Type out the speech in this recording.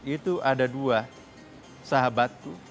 itu ada dua sahabatku